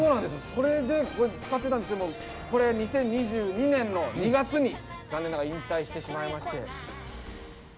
それでこういうの使ってたんですけどこれ２０２２年の２月に残念ながら引退してしまいまして。